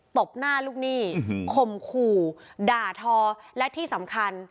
บหน้าลูกหนี้ข่มขู่ด่าทอและที่สำคัญ